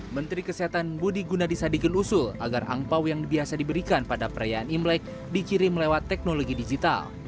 menteri kesehatan budi gunadisadikin usul agar angpao yang biasa diberikan pada perayaan imlek dikirim lewat teknologi digital